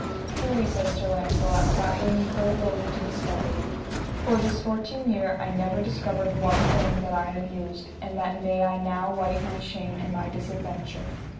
Truly, said Sir Launcelot, that were me full loath to discover. For this fourteen year I never discovered one thing that I have used, and that may I now wite my shame and my disadventure.